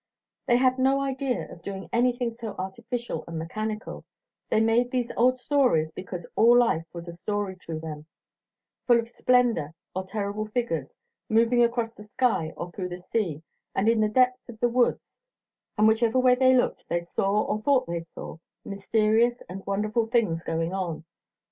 They had no idea of doing anything so artificial and mechanical; they made these old stories because all life was a story to them, full of splendid or terrible figures moving across the sky or through the sea and in the depths of the woods, and whichever way they looked they saw or thought they saw mysterious and wonderful things going on.